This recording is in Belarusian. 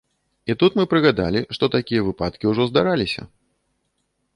І тут мы прыгадалі, што такія выпадкі ўжо здараліся.